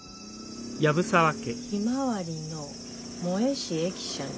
「ひまわりの燃えし駅舎に」。